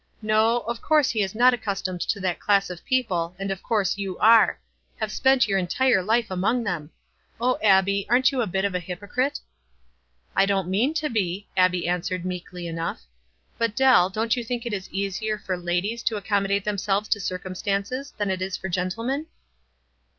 "No, of course he is not accustomed to that class of people, and of course you are — have spent your entire life among them ! O Abbie, aren't you a bit of a hypocrite ?"•" I don't mean to be," Abbie answered, meek ly enough. "But, Dell, don't you think it is easier for ladies to accommodate themselves to circumstances than it is for gentlemen?"